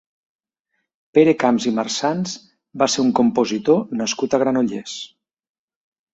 Pere Camps i Marsans va ser un compositor nascut a Granollers.